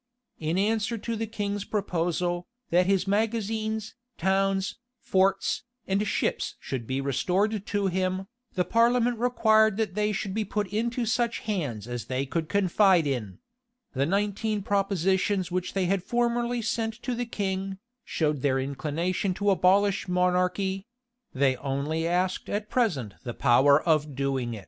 In answer to the king's proposal, that his magazines, towns, forts, and ships should be restored to him, the parliament required that they should be put into such hands as they could confide in:[] the nineteen propositions which they formerly sent to the king, showed their inclination to abolish monarchy: they only asked at present the power of doing it.